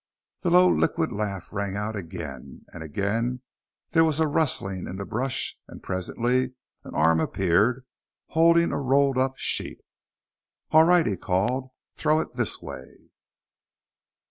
The low, liquid laugh rang out again; again there was a rustling in the brush, and presently an arm appeared, holding a rolled up sheet. "All right," he called. "Throw it this way."